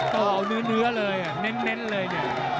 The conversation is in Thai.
ต้องเอาเนื้อเลยเน้นเลยเนี่ย